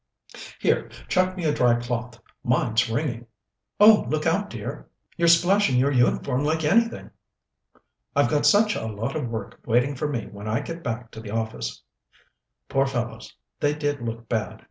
"Here, chuck me a dry cloth! Mine's wringing." "Oh, look out, dear! You're splashing your uniform like anything." "I've got such a lot of work waiting for me when I get back to the office." "Poor fellows, they did look bad!